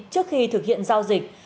trước khi thực hiện giao dịch